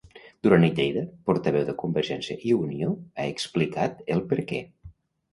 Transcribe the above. Duran i Lleida, portaveu de Convergiència i Unió, ha explicat el perquè.